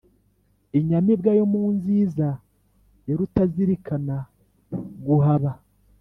inyamibwa yo mu nziza, ya rutazilikana guhaba,